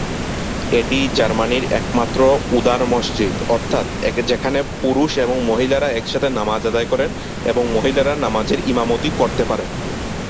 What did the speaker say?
এটি জার্মানির একমাত্র উদার মসজিদ, অর্থাৎ, যেখানে পুরুষ এবং মহিলারা একসাথে নামাজ আদায় করেন এবং মহিলারা নামাজের ইমামতি করতে পারেন।